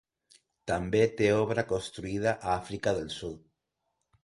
També té obra construïda a Àfrica del Sud.